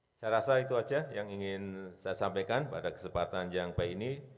saya rasa itu saja yang ingin saya sampaikan pada kesempatan yang baik ini